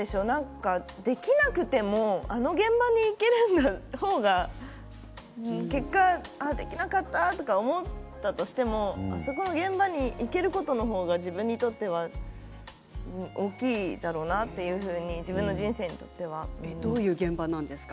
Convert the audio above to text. できなくてもあの現場に行けるんだっていう方が結果、できなかったと思ったとしてもその現場に行けることの方が自分にとっては大きいだろうなと自分の人生にとっては。どういう現場なんですか？